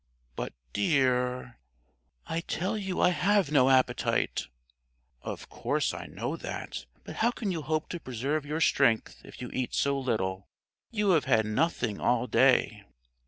"But, dear " "I tell you I have no appetite." "Of course I know that; but how can you hope to preserve your strength if you eat so little? You have had nothing all day."